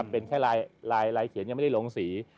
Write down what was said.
เป็นแค่ลายเขียนยังไม่ได้ลงสี